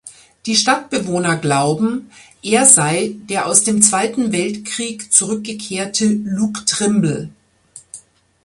Die Stadtbewohner glauben, er sei der aus dem Zweiten Weltkrieg zurückgekehrte Luke Trimble.